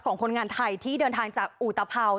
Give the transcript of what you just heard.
คนงานไทยที่เดินทางจากอุตภัว